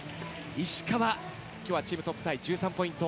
石川、今日はチームトップタイ１３ポイント。